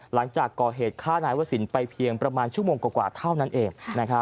หลังจากก่อเหตุฆ่านายวสินไปเพียงประมาณชั่วโมงกว่าเท่านั้นเอง